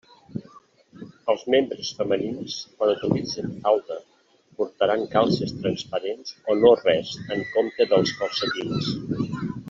Els membres femenins quan utilitzen falda portaran calces transparents o no res en compte dels calcetins.